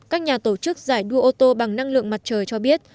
các nhà tổ chức giải đua ô tô bằng năng lượng mặt trời cho biết